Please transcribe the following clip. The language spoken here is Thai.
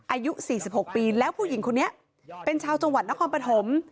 อายุ๔๖ปีแล้วผู้หญิงคนนี้เป็นชาวจังหวัดนครปฐม